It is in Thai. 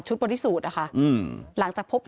ชุดบริสูตรอะค่ะ